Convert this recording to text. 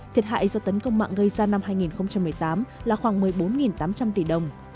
thiệt hại do tấn công mạng gây ra năm hai nghìn một mươi tám là khoảng một mươi bốn tám trăm linh tỷ đồng